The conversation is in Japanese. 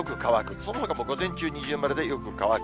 そのほかも午前中二重丸で、よく乾く。